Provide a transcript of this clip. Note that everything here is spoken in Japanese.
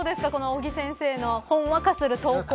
尾木先生のほんわかする投稿。